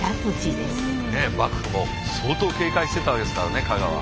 幕府も相当警戒していたわけですからね加賀は。